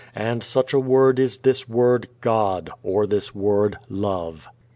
And such a word is this word GOD or this word LOVE."